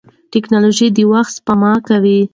ټکنالوژي د وخت سپما کوي.